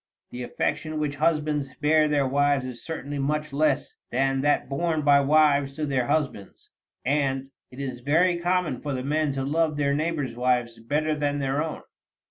The affection which husbands bear their wives is certainly much less than that borne by wives to their husbands, and it is very common for the men to love their neighbors' wives better than their own."